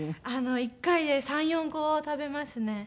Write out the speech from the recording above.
１回で３４個食べますね。